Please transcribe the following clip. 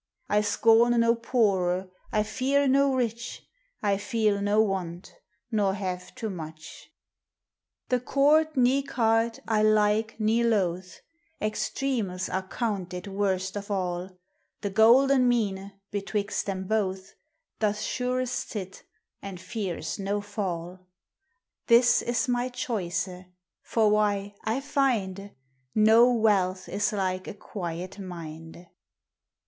I scorne no poore, I feare no rich ; I feele no want, nor have too much. The court ne cart I like ne loath, — Extreames are counted worst of all ; The golden meane betwixt them both Doth surest sit, and feares no fall ; THOUGHT: POETRY: BOOKS. 327 This is my choyce; for why, I finde No wealth is like a quiet minde.